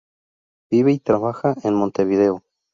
Vive y trabaja en Montevideo.